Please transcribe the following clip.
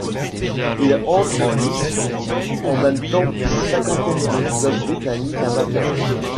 Il entre en lice en même temps qu'une cinquantaine de clubs britanniques amateurs.